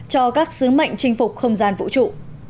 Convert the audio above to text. cho các sứ mệnh chinh phục không gian vũ trụ